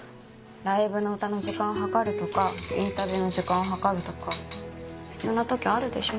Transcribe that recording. ライブの歌の時間を計るとかインタビューの時間計るとか必要な時あるでしょ？